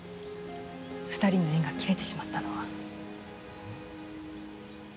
２人の縁が切れてしまったのは。